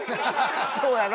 そうやろ？